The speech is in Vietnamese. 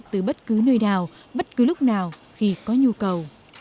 từ bất cứ nơi nào bất cứ lúc nào khi có nhu cầu